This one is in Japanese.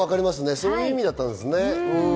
そういう意味だったんですね。